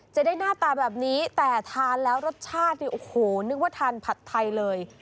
จะได้หน้าตาแบบนี้แต่ทานแล้วรสชาตินี่โอ้โหนึกว่าทานผัดไทยเลย